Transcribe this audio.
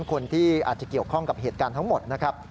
คนที่อาจจะเกี่ยวข้องกับเหตุการณ์ทั้งหมดนะครับ